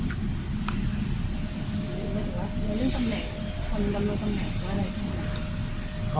ไม่ต่อไป